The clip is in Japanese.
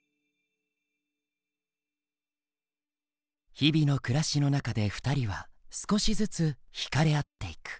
日々の暮らしの中で２人は少しずつ惹かれ合っていく。